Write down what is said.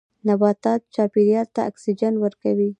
نباتات چاپیریال ته اکسیجن ورکوي